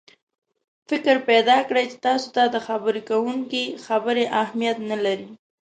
فکر پیدا کړي چې تاسې ته د خبرې کوونکي خبرې اهمیت نه لري.